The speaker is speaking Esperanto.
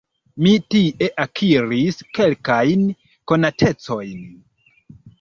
Mi tie akiris kelkajn konatecojn.